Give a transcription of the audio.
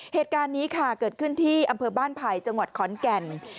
เหตุการณ์นี้ค่ะเกิดขึ้นที่อำเภอบ้านไผ่จังหวัดขอนแก่น